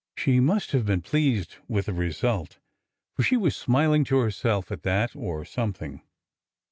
She must have been pleased with the result, for she was smiling to herself at that— or something.